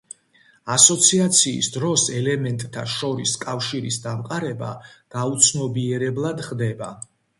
ასოციაციის დროს ელემენტთა შორის კავშირის დამყარება გაუცნობიერებლად ხდება.